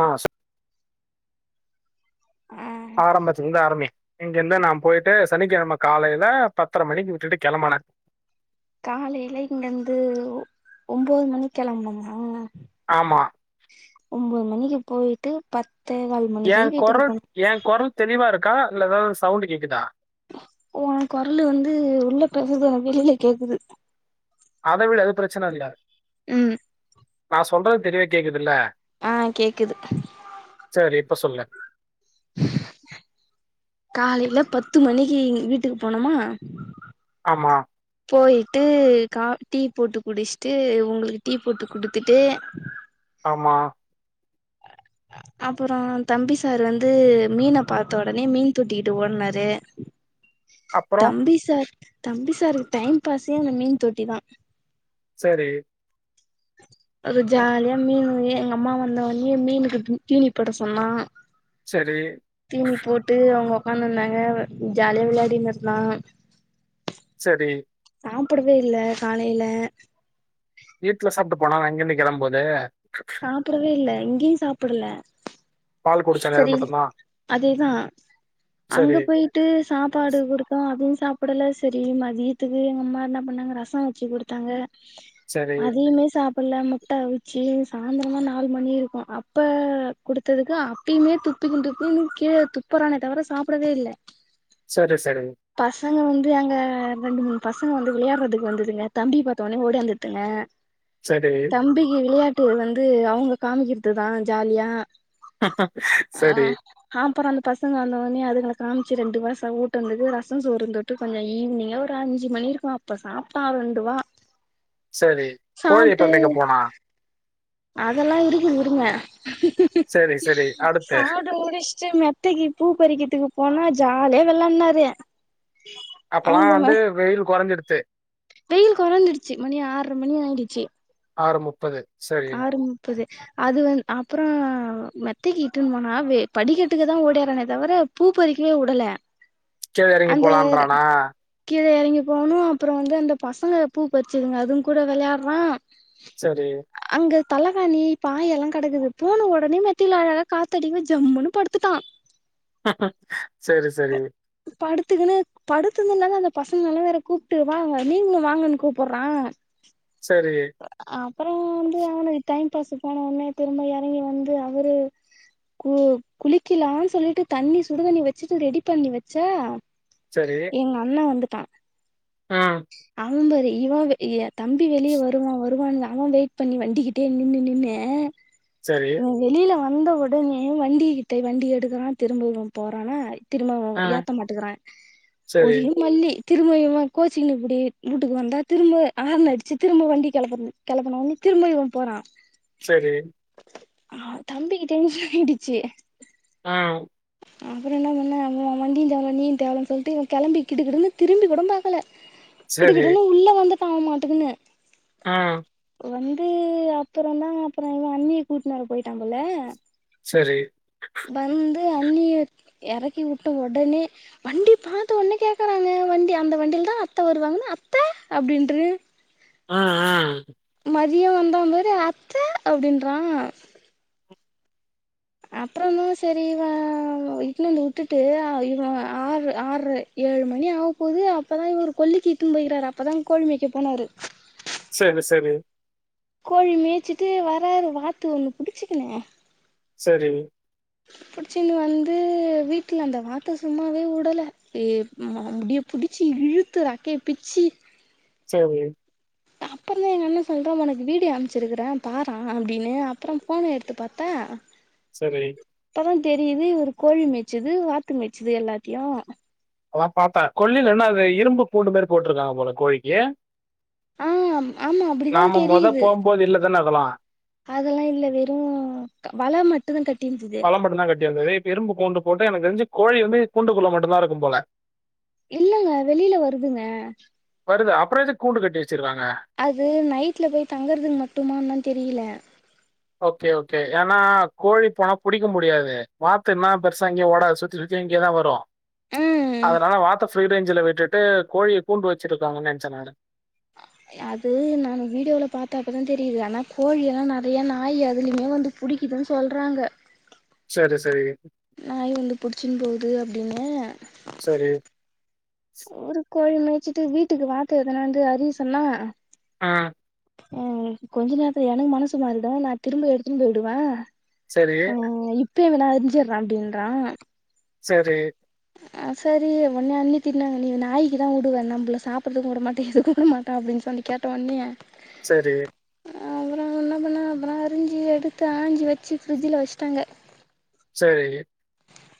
ஆ சொ ஆ ஆரம்மித்தில இருந்து ஆரம்மி இங்க இருந்து நா போயிட்டு சனிக்கெழம காலையில பத்தர மணிக்கு விட்டுட்டு கெளம்புனே காலையில இங்கந்து ஒம்போது மணிக்கு கெளம்புனோமா ஆமா ஒம்போது மணிக்கு போயிட்டு பத்தே கால் எ மணிக்கு வீட்டுக்கு கொரல் போனோ எ கொரல் தெளிவா இருக்கா இல்ல ஏதாவது சவுண்ட் கேக்குதா ஒ குரலு வந்து உள்ள பேசுறது உனக்கு வெளியில கேக்குது அத விடு அது பிரச்சன இல்ல ம் நா சொல்றது தெளிவா கேக்குதுல்ல ஆ கேக்குது சேரி இப்ப சொல்லு காலையில பத்து மணிக்கு வீட்டுக்கு போனோம்மா ஆம்மா போய்ட்டு கா டீ போட்டு குடிச்சிட்டு உங்களுக்கு டீ போட்டு குடுத்துட்டு ஆமா அப்பறோ தம்பி சார் வந்து மீன பாத்த உடனே மீன் தொட்டிகிட்ட ஓட்னாரு அப்புறோ தம்பி சார் தம்பி சாருக்கு டைம் பாஸே அந்த மீன் தொட்டி தான் சேரி அவர் ஜாலியா மீன் எங்க அம்மா வந்தோனயே மீனுக்கு தீனிப்போட சொன்னா செரி தீனி போட்டு அவங்க உக்காந்து இருந்தாங்க ஜாலியா விளையாடினுருந்தா சேரி சாப்டவே இல்ல காலையில வீட்ல சாப்ட்டு போனா அங்கேந்து கிளம்பும் போது சாப்பிடவே இல்ல இங்கேயும் சாப்பல்ல பால் குடிச்சேனே அது செரி மட்டுந்தா அதேதான் அங்க சரி போய் விட்டு சாப்பாடு குடுத்தோம் அதுவும் சாப்டல்ல சரி மதியத்துக்கு எங்க அம்மா என்ன பண்ணாங்க ரசம் வச்சு குடுத் தாங்க சரி அதையுமே சாப் அப்பல்ல முட்டை அவிச்சு சாந்தரமா நாலு மணி இருக்கு அப்ப குடுத்ததுக்கு அப் அப்பயுமே துப்புது துப்புதுனு கீழ துப்புறானே தவர சாப்பிடவே இல்ல செரி செரி பசங்க வந்து அங்க ரெண்டு மூணு பசங்க வந்து அங்க ரெண்டு மூணு பசங்க விளையாடுறதுக்கு வந்ததுங்க தம்பி பாத்த ஒடனே ஓடியாந்துதுங்க செரி தம்பிக்கு விளையாட்டு வந்து அவங்க காமிக்கிறதுதான் ஜாலியா செரி அப்பறம் அந்த பசங்க வந்தோனயே அதுங்க காமிச்சு ரெண்டு வாய் ச ஏசோ ஊட்டவந்தது ரச சோறந்துட்டு கொஞ்சம் ஈவினிங்கா ஒரு அஞ்சு மணி இருக்கும் அப்ப சாப்ட்டா ரெண்டு வா சேரி கோழி எப்ப வனமேபோனா அதெல்லாம் இருக்குது இருங்க சரி சரி அடுத்து சாப்டு முடிச் சி மெத்தைக்கு பூ பறிக்கிறதுக்கு போனா ஜாலியா விளான்னாரு அப்பல்லாம் வந்து வெயில் குறைஞ்சடுத்து வெயில் கொறஞ்சிடுச்சு மணி ஆற்ர மணி ஆயிடுச்சு ஆறு முப்பது சரி ஆறு முப்பது அது வந் அப்பறம் மெத்தைக்கு இட்டுன்னு போனா படிக்கட்டுக்கு தான் ஓடறானே தவிர பூ பறிக்கவே உடல கீழ எறங்கி அந்த போலான்றானா கீழே இறங்கி போகணும் அப்புறம் வந்து அந்த பசங்க பூ பறிச்சிதுங்க அதுங் கூட விளையாடுறான் சரி அங்க தலைக்காணி பாயெல்லாம் கடக்குது போன உடனே மெத்தில அழக காத்தடிங்க ஜம்முன்னு படுத்துட்டான் ஆ செரி செரி படுத்துக்குன்னு படுத்ததுல்ல தான் அந்த பசங்களல்லாம் வேற கூப்ட்டு வாங்க நீங்களும் வாங்கன்னு கூப்பறான் [inaudible] செரி அப்பறோ வந்து அவனு டைம் பாஸ் போன உனே திரும்ப இறங்கி வந்து அவரு கு குளிக்கலாம்னு சொல்லிட்டு தண்ணி சுடுதண்ணி வச்சிட்டு ரெடி பண்ணி வச்சா செ எங்க அண்ண வந்துட்டான் அவ மேரி இவன் ஏன் தம்பி வெளியே வருவான் வருவான் அவன் வெயிட் பண்ணி வண்டிக்கிட்டே நின்னுறு நின்னு சேரி இவ வெளியில வந்த உடனே வண்டி கிட்ட வண்டி எடுக்குறா திரும்ப இவ போறானா திரும்ப இவ ஏத் ம் சுத்த மாட்டுக்கிறா சரி ஒரே மல்லி திரும்ப இவ கோச்சிங்ன்னு இப்படி வீட்டுக்கு வந்தா திரும்ப ஆறுண அடிச்சு திரும்ப வண்டி கெளம்பறது கெளம்பனுனு திரும்ப இவ போறா சரி ஆ தம்பிக்கு டென்ஷன் ஆயிடுச்சு ஆ அப்பற என்ன பண்ண அப்பறம் வண்டிய தேவ நீயு தேவனு சொல்ட்டு இவ கெளம்பி கிடு கிடு திரும்பி கூட பாக்கல கிடு சரி கிடு உள்ள வந்த காவமாட்டங்கன்னு ஆ வந்து அப்பறந்தா அப்பற இவ அண்ணிய கூட்டுனர போயிட்டா போல சரி வந்து அண்ணிய எறக்கி விட்ட உடனே வண்டி பாத்த ஒன்னே கேக்குறாங்க வண்டி அந்த வண்டியில தா அத்த வருவாங்கன்னா அத்த அப்படின்றா ஆ ஆ மதிய வந்தா பாரு அத்த அப்படின்றா அப்பறந்தா சரி இவ இட்னு வந்து விட்டுட்டு இவ ஆறு ஆற ஏழு மணி ஆக போது அப்பதா இவர் கொல்லிக்கு இட்டு போயகிறாரு அப்பதா கோழிமைக்கு போனாரு சரி சரி கோழி மேய்ச்சுட்டு வராரு வாத்து ஒண்ணு புடிச்சக்குனு சரி பிடிச்சின்னு வந்து வீட்ல அந்த வாட்டை சும்மாவே விடல ஏ மு முடிய பிடிச்சு இழுத்து றக்கைய பிச்சு [unintelligible] அப்பறந்தா எங்க அண்ண சொல்ற உனக்கு வீடியோ அமுச்சுருக்கறே பாற அப்படின்னு அப்பற ஃபோன எடுத்து பாத்தா சரி அப்பதா தெரியுது இவரு கோழி மேய்சது வாத்து மேய்ச்சுது எல்லாத்தையு அதா பாத்தா கொல்லில என்ன அது இரும்பு பூண்டு மாரி போட்டிருக்காங்க போல கோழிக்கு ஆ ஆமா அப்டிதா நாம மொத தெரியுது போகும்போது இல்லதான இதல்லா அதெல்லா இல்ல வெறு வல மட்டுந்தா கட்டியிருந்தது ண்ண மட்டுதா கட்டி இருந்தது இரும்பு கூண்டு போட்டு எனக்கு தெரிஞ்சு கோழி வந்து கூண்டு குள்ள மட்டுந்தா இருக்கும் போல இல்லங்க வெளியில வருதுங்க வருதா அப்ற எதுக்கு கூண்டு கட்டி வச்சுருக்காங்க அது நைட்ல போய் தங்கறதுக்கு மட்டுமான்னு தெரியல ஓகே ஓகே ஏன்னா கோழி போனா புடிக்க முடியாது வாத்துன்னா பெருசா அங்கே ஓட சுத்தி சுத்தி இங்கேயே தா வரு ம் அதனால வாத்த ஃப்ரீ ரேஞ்ச்ல விட்டுட்டு கோழிய கூண்டு வச்சிருக்காங்கன்ன நெனைச்சே நானு [unintelligible] அது நா வீடியோவில பாத்தாப்பதா தெரியுது ஆனா கோழி எல்லா நெறையா நாய் அதுலயுமே வந்து புடிக்கிதுன் சொல்றாங்க செரி சரி நாய் வந்து புடிச்சின்னு போது அப்டின்னே சரி ஒரு கோழி மேய்சச்சுட்டு வீட்டுக்கு வாத்து எத்தனாந்து அறிய சொன்னா அ அ கொஞ்ச நேரத்துல எனக்கு மனசு மாருதா நா திரும்ப எடுத்துனு போயிடுவ சேரி இப்வே வேணா அறிஞ்சிற அப்டின்றா சேரி அ சேரி ஓட்னே அண்ணி திட்னாங்க நீ நாய்கக்கு தா உடுவ நம்பள சாப்பறதுக்கு உட மாட்ட எதுக்கு உட மாட்டா அப்டின்னு சொல்லி கேட்ட ஒட்னே சேரி அப்றோ என்ன பண்ண அப்றோ அரிஞ்சு எடுத்து ஆஞ்சி வச்சு ஃப்ரிட்ஜில வச்சுட்டாங்க சேரி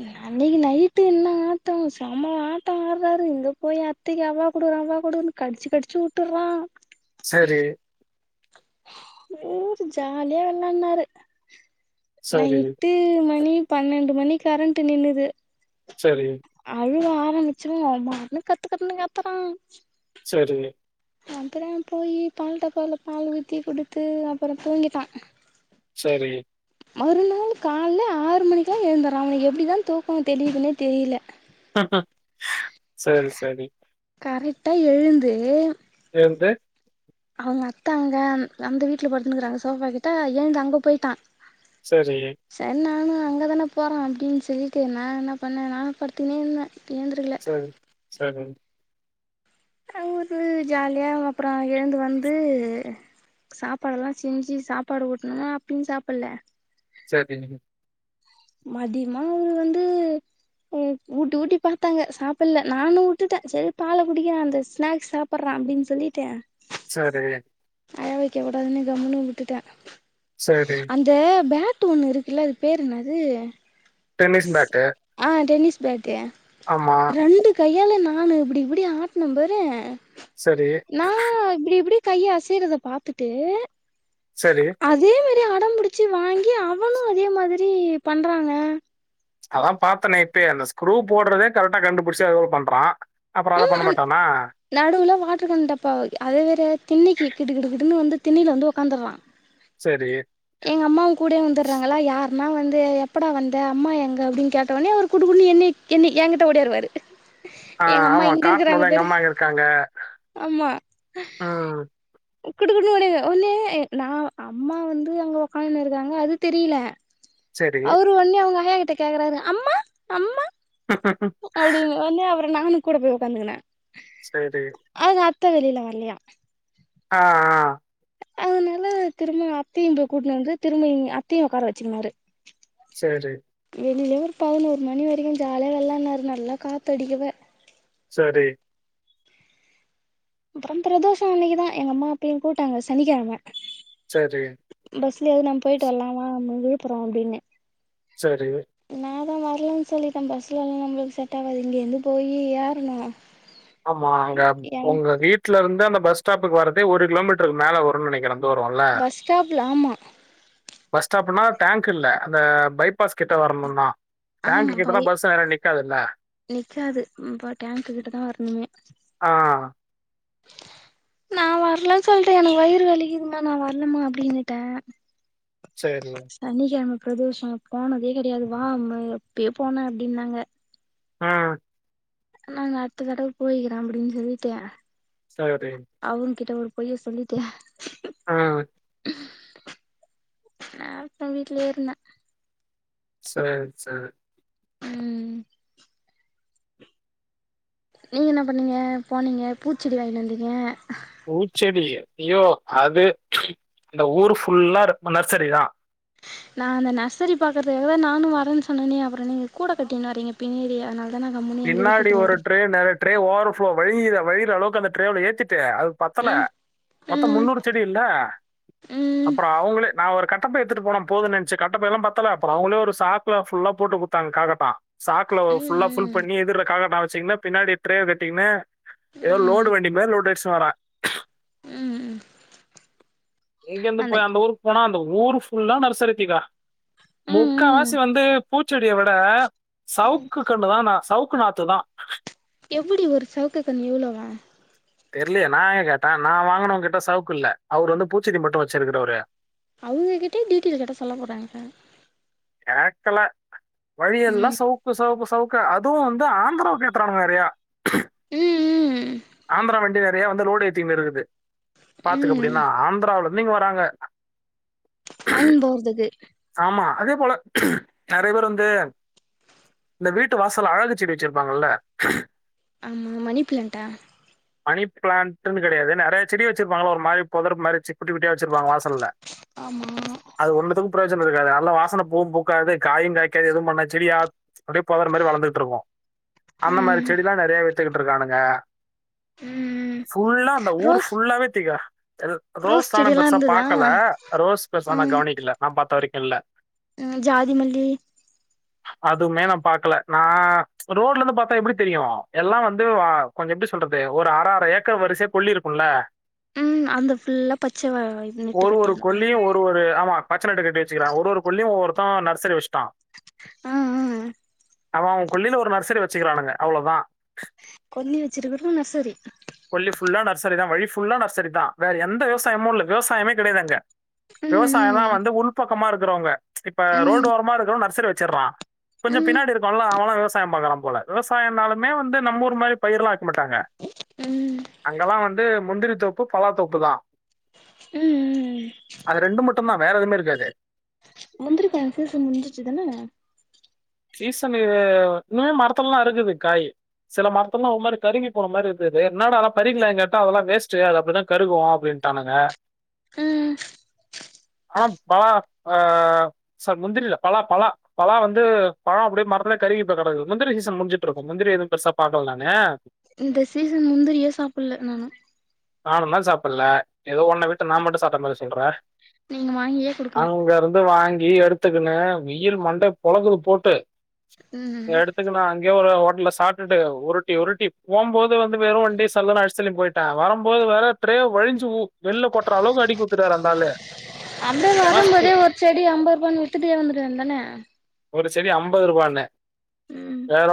ம் அன்னைக்கு நைட்டு என்ன ஆட்டோ சம்ம ஆட்டோ ஆடுறாரு இங்க போய் அத்தைக்கு அவ்வா குடுற அவ்வா குடுன் கடிச்சு கடிச்சு உட்டறா செரி ம் ஜாலியா வெள்ளான்னாரு சரி, நைட்டு மணி பன்னெண்டு மணி கரண்ட்டு நின்னுது சேரி அழுவ ஆரம்பிச்சோனே அவ பாட்னு கத்து கத்துனு கத்தறா சேரி அப்பறோ போயி பால் டப்பாவுல ஊத்தி பால் ஊற்றி கொடுத்து அப்றோ தூங்கிட்டா சேரி மறுநாள் காலையில ஆறு மணிக்லா எழுந்தறா அவனுக்கு எப்டி தா தூக்கோ தெளிதுன்னே தெரியல சேரி சேரி கரெக்ட்டா எழுந்து ஏந்து அவுங்க அத்தா அங்க அந்த வீட்ல படுத்துனுக்குறாங்க சோபா கிட்ட ஏழுந்து அங்க போயிட்டா சேரி சேரி நானு அங்கதான போறா அப்டின்னு சொல்லிட்டு நா என்ன பண்ண நானு படுத்துனே இருந்த ஏந்திருக்கல சேரி சேரி [unintelligible] ஜாலியா அப்றோ எழுந்து வந்து சாப்பாடு எல்லா செஞ்சு சாப்பாடு ஊட்னனா அப்பியு சாப்பட்ல சேரி மதியமா அவுங்க வந்து உ ஊட்டி ஊட்டி பாத்தாங்க சாப்பட்ல நானு உட்டுட்ட சேரி பால குடிக்கற அந்த ஸ்நாக்ஸ் சாப் பட்றா அப்டினா சொல்லிட்டு சேரி அழ வைக்க கூடாதுனு கம்முனு உட்டுட்ட சேரி இந்த பேட்டு ஒன்னு இருக்குல அது பேரு என்னாது டென்னிஸ் பேட்டு ஆ டென்னிஸ் பேட்டு ஆமா ரெண்டு கையால நானு இப்டி இப்டி ஆட்ன பாரு சரி, நா இப்டி இப்டி கையு அசைறத பாத்துட்டு சரி அதே மேரி அடம்புடிச்சி வாங்கி அவனு அதே மாதுரி பண்றாங்க அதா பாத்தனே இப்பயே அந்த ஸ்க்ரூ போட்றதே கரெக்டா கண்டுபுடுச்சி அதுவு பண்றா அப்பற அத பண்ண மாட்டானா நடுவுல வாட்ரு கண் டப்பா வக் அதே வேற திண்ணக்கி கிடுகிடுகிடுனு வந்து திண்ணைல வந்து ஒக்காந்துர்றா செரி எங்க அம்மாவு கூடே வந்துற்றாங்களா யார் மா வந்து எப்படா வந்த அம்மா எங்க அப்டின் கேட்ட ஒனே அவுரு குடுகுடுனு என்னிய என்னிய ஏங்குட்ட ஓடியாருவாரு ஆ எங்க அம்மா ஆமா இங்கருக்குறாங்க காட்டணும்ல எங்க பாரு அம்மா இங்க இருக்காங்க. ஆமா ம். குடுகுடுனு ஓடியார ஒன்னே நா அம்மா வந்து அங்க ஒக்காந்துனு இருக்காங்க அது தெரிய்ல சரி. அவரு ஒன்னே அவுங்க ஆயாகிட்ட கேக்குறாரு அம்மா அம்மா அப்டினு ஒன்னே அப்ற நானு கூட போய் ஒக்காந்துகுன சேரி அதுக்கு அத்த வெளில வர்லீயா அ அ அதுனால திரும்ப அத்தயு போய் கூட்ணு வந்து திரும்ப இங் அத்தயு ஒக்கார வச்சிகினாரு சேரி வெளிளே ஒரு பதுனோரு மணி வரிக்கு ஜால்யா வெள்ளாட்னாரு நல்லா காத்தடிக்கவே சேரி அப்பற பிரதோஷ அன்னிக்குதா எங்க அம்மா அப்பியு கூட்டாங்க சனிக்கெழம செரி பஸ்ல ஏறி நம் போயிட்டு வர்லா வா விழுப்புறோ அப்டின்னு சேரி நாதா வரலன் சொல்லிட்ட பஸ்லல்லா நம்ளுக்கு செட் ஆவாது இங்கேந்து போயி் ஏற்னு ஆமா அங்க உங்க வீட்லருந்து அந்த பஸ் ஸ்டாப்புக்கு வரதே ஒரு கிலோமீட்ர்க்கு மேல வரு நெனக்கிற தூரொல்ல பஸ் ஸ்டாப்ல ஆமா பஸ் ஸ்டாபுனா டேங்க் இல்ல அந்த பைபாஸ் கிட்ட வரணுனா ஆமா டேங்க்கு பை கிட்டதா பஸ் வேற நிக்காதுல்ல நிக்காது ம் அப்ப டேங்க்கு கிட்ட தா வர்ணுமே ஆ [inaudible] நா வர்லன் சொல்ட்ட எனக்கு வயிறு வலிதுமா நா வர்லமா அப்டின்னுட்ட சேரி சனிக்கெழம பிரதோஷ போனதே கெடயாது வாம்மு எப்புயோ போனே அப்டின்னாங்க ம் நாங்க அடுத்த தடவ போய்க்கிற அப்புடின் சொல்லிட்டு சரி அவுங் கிட்ட ஒரு பொய்ய சொல்லிட்டு அ நே அப்ற வீட்லியே இருந்த சேர் சேர் ம் நீங்க என்ன பண்ணீங்க போனீங்க பூச்செடி வாங்கினு வந்தீங்க பூச்செடி ஐய்யோ அது இந்த ஊரு ஃபுல்லா ரு நர்சரி தா நா அந்த நர்சரி பக்கத்துல தா நானு வரேன்னு சொன்னேனே அப்புறோ நீங்க கூட கட்டினு வரீங்க பின்னாடி அதனால தா நா கம்முனு எங்க பின்னாடி வீட்டுக்கு ஒரு போறே ட்ரே நெறய ட்ரே ஓவர் ஃப்ளோ வழிய வழியிற அளவுக்கு அந்த ட்ரேவ்ல ஏத்தி டு அது பத்தல ம் மொத்தோ ம் முன்னூறு செடில ம் அப்புறோ அவுங்களே நா ஒரு கண் கட்ட பை எத்துட்டு போனா போதுன்னு நெனச்சு கட்டப்பைலா பத்தல அப்புறோ அவுங்களே ஒரு சாக்குல ஃபுல்லா போட்டு குத்தாங்க காக்கட்டா சாக்குல ம் ஃபுல்லா ஃபுல் ம் பண்ணி எதுர்ல காக்கட்டா வச்சிங்கனா பின்னாடி ட்ரே கட்டிக்குன்னு ஏதோ லோடு ம் வண்டி மாரி லோடு அடிச்சு வரா ம் ம் எங்கந்து போய் அந்த ஊரு போனா அந்த ஊர் ஃபுல்லா நர்சரித்திகா ம் ம் முக்காவாசி வந்து பூ ச்செடிய விட சவுக்கு கன்னு தா னா சவுக்கு நாத்துதா எப்டி ஒரு சவுக்கு கன்னு இவ்வலோவா தெர்லயே நா ஏ கேட்டே நா வாங்குனவுங்க கிட்ட சவுக்கு இல்ல அவரு வந்து பூச்சி மட்டு வச்சிருக்குறவரு அவுங்க கிட்டேயே டிட்டேயில் கேட்டா சொல்ல போறாங்க கேக்கல வழி எல்லா ம் சவுக்கு சவுக்கு சவு கா அதுவு வந்து ஆந்திராவுக்கு ஏத்துறாங்க வேறயா ம் ம் ஆந்திரா வண்டி நெறயா வந்து லோடு ஏத்தினு இருக்குது பாத்துக்க ம் அப்டின்னா ஆந்திராவுல இருந்து இங்க வராங்க வாங்கின்னு போறதுக்கு ஆமா அதே போல நெறய பேர் வந்து இந்த வீட்டு வாசல்ல அழகு செடி வச்சிருப்பாங்கல்ல ஆமா மணிப்பிளான்டா மணி பிளான்ட்ன்னு கெடயாது நெறய செடி வச்சிருப்பாங்கள ஒரு மாரி பொதர் மாரி சு குட்டி குட்டியா வச்சிருப்பாங்க வாசல்ல ஆமா அது ஒண்ணுதுக்கு புரோஜன இருக்காது அல்ல வாசன பூவும் பூக்காது காயு காய்க்காது எதுவு பண்ணா செடியா அப்டியே பொதர் மாரி வளந்துகிட்டு இருக்கு அந்த மாரி ம் செடில்லா நெறயா வித்துக்கிட்டு இருக்கானுங்க ம் ஃபுல்லா அந்த ஊர் ரோஸ் ஃபுல்லாவே திகா ரோஸ் ஆனா செடியெல்லா பெருசா இருந்ததா பாக்கல ரோஸ் பெருசா நா ம் கவனிக்கல நா பாத்த வரைக்கு இல்ல ம் ஜாதிமல்லி அதுமே நா பாக்கல நா ரோட்ல இருந்து பாத்தா எப்டி தெரியு எல்லா வந்து வ கொஞ்ச எப்டி சொல்றது ஒரு அர அர ஏக்கர் வரிசையா கொல்லி உள்ள ம் அங்த ஃபுல்லா பச்ச வ இது நிட்டு ஒரு ஒரு கட்டியிருந்தா கொள்ளியும் ஒரு ஆமா பச்ச நெட்டு கட்டி கட்டி வச்சிக்கிறா ஒரு ஒரு குள்ளையு ஒருத்தவ நர்சரி வச் டா ஆ ஆ அவ அவ கொள்ளில ஒரு நர்சரி வச்சுக்கிறானுங்க அவ்ளோதா கொள்ளி வச்சிருக்குற நர்சரி கொள்ளி ஃபுல்லா நர்சரி தா வழி ஃபுல்லா நர்சரி தா வேற எந்த விவசாயமு இல்ல விவசாயமே கெடயாது அங்க ம் விவசாயலா ம் வந்து உள் பக்கமா இருக்கிறவங்க இப்ப ம் ரோடு ஓரமா இருக்கிற நர்சரி வச்சடுறா கொஞ்சோ ம் பின்னாடி இருக்குவல்லா அவளா விவஸ் சாயம் பாக்குறா போல விவசாயனாலுமே வந்து நம் ஊரு மாரி பயிர்லா வைக்க மாட்டாங்க ம் அங்கல்லா வந்து முந்திரி தோப்பு பலாத்தோப்பு தா ம் அது ரெண்டு மட்டுந்தா வேற எதுவுமே இருக்காது கண்ஃப்யூஷன் முஞ்சிச்சுதான சீசனு இன்னுமே மரத்துலல்லா இருக்குது காயி சில மரத்துலல்லா ஒரு மாரி கருகி போன மாரி இருந்துது என்னடா அதலா பறிக்கலயானு கேட்டா அதெல்லா வேஸ்ட்டு அது அப்டிதா கருகு அப்டின் டானுங்க ம் ஆ பலா ஆ சார் முந்திரில்ல பலா பலா பலா வந்து பழோ அப்டியே மரத்துல கருகிப்போய் கெடக்குது முந்திரி சீசன் முடிஞ்சிட் இருக்கு முந்திரி எதுவு பெருசா பாக்கல நானு இந்த சீசன் முந்திரியே சாப்புட்ல நானு நானுந்தா சாப்புல்ல ஏதோ உன்ன விட்டு நா மட்டு சாப்ட மாரி சொல்ற நீங்க வாங்கியே குடுக்கல அங்க இருந்து வாங்கி எடுத்துக்குனு வெயில் மண்ட பொலக்குது போ ட்டு ம் ஹூ அதுக்கு நா அங்யே ஒரு ஹோட்டல்ல சாப்ட்டுட்டு உருட்டி உருட்டி போம்போது வந்து வெறு வண்டி சல்லுனு அடிச்சிதள்ளி போயிட் டே வரும்போது வர ட்ரே வழிஞ்சு உ வெள்ல கொட்டுற அளவுக்கு அடுக்கி உட் டாரு அந்த ஆளு அப்டியே வரும்போதே ஹாஸ்பிட் ஒரு செடி அம்பது ரூபானு வித்துட்டே வந்துர வேண்டி தான ஒரு செடி அம்பது ரூபானு ம் வேற